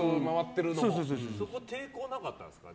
抵抗はなかったんですか？